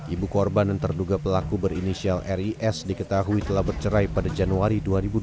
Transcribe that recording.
ibu korban dan terduga pelaku berinisial ris diketahui telah bercerai pada januari dua ribu dua puluh